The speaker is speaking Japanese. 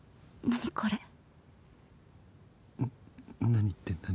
何って何？